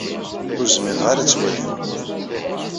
Ur zmireɣ ara ad tt-waliɣ.